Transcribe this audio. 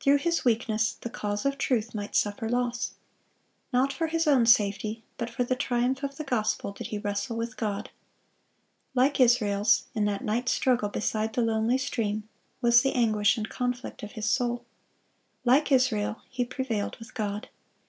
Through his weakness the cause of truth might suffer loss. Not for his own safety, but for the triumph of the gospel did he wrestle with God. Like Israel's, in that night struggle beside the lonely stream, was the anguish and conflict of his soul. Like Israel, he prevailed with God.